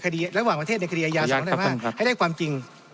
ระหว่างประเทศในคดีอายา๒๕๕ให้ได้ความจริง